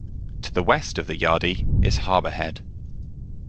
To the west of The Yardie is Harbourhead.